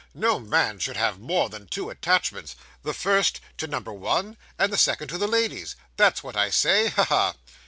No man should have more than two attachments the first, to number one, and the second to the ladies; that's what I say ha! ha!